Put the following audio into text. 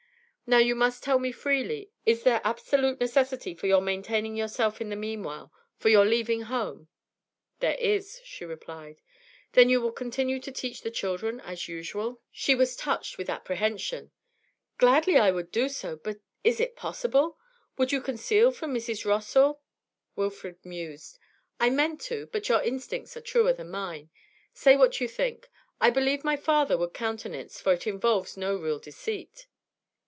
Now you must tell me freely is there absolute necessity for your maintaining yourself in the meanwhile, for your leaving home?' 'There is,' she replied. 'Then will you continue to teach the children as usual?' She was touched with apprehension. 'Gladly I would do so but is it possible? Would you conceal from Mrs. Rossall ' Wilfrid mused. 'I meant to. But your instincts are truer than mine; say what you think. I believe my father would countenance it, for it involves no real deceit.'